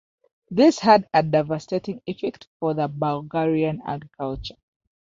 This had a devastating effect for the Bulgarian agriculture.